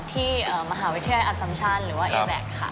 ก่อนที่มหาวิทยาลัยอสัมชาติหรือว่าเอเว็กซ์ค่ะ